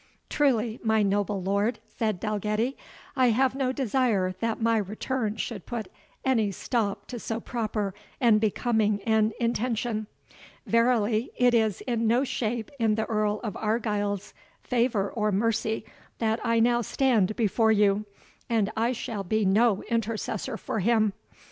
"Truly, my noble lord," said Dalgetty, "I have no desire that my return should put any stop to so proper and becoming an intention; verily it is in no shape in the Earl of Argyle's favour or mercy that I now stand before you, and I shall be no intercessor for him.